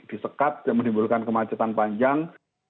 disekat menimbulkan kemacetan panjang